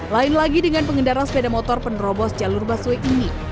lain lagi dengan pengendara sepeda motor penerobos jalur busway ini